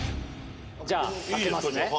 じゃあ開けますね。